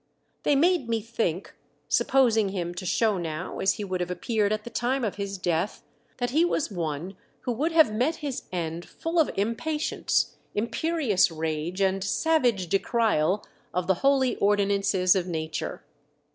They made me think, sup posing him to show now as he would have appeared at the time of his death, that he was one who would have met his end full of impatience, imperious rage, and savage decrial of the holy ordinances of Nature.